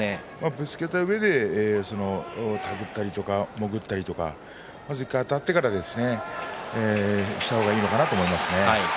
ぶつけたうえで手繰ったりもぐったりとか１回あたってからした方がいいのかなと思います。